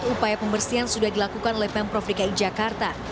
upaya pembersihan sudah dilakukan oleh pemprov dki jakarta